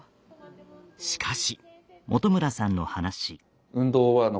しかし。